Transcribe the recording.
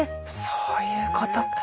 そういうことか。